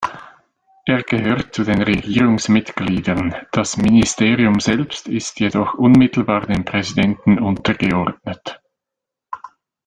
Er gehört zu den Regierungsmitgliedern, das Ministerium selbst ist jedoch unmittelbar dem Präsidenten untergeordnet.